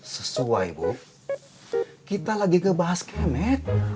sesuai bu kita lagi ngebahas kemit